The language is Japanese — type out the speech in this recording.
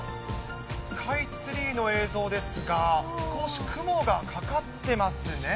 スカイツリーの映像ですが、少し雲がかかってますね。